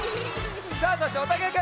さあそしておたけくん！